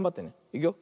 いくよ。